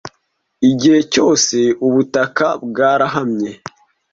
Igihe cyose ubutaka bwarohamye,